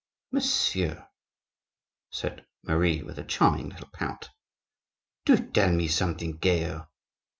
"Monsieur," said Marie, with a charming little pout, "do tell me something gayer."